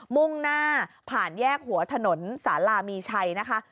มุ่งหน้าผ่านแยกหัวถนนสาลามีชัยนะคะ